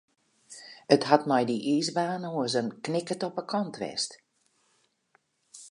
It hat mei dy iisbaan oars in knikkert op de kant west.